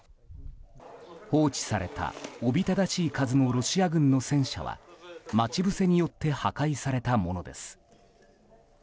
放置されたおびただしい数のロシア軍の戦車は待ち伏せによって破壊されたものです。